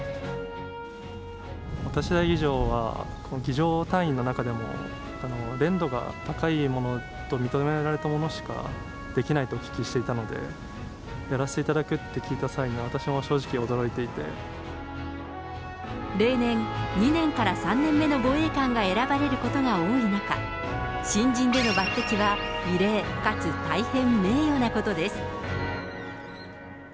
お立ち台儀じょうは、儀じょう隊員の中でも練度が高いものと認められた者しかできないとお聞きしていたので、やらせていただくって聞いた際には、私も例年、２年から３年目の護衛官が選ばれることが多い中、新人での抜てきは異例かつ大変名誉なことです。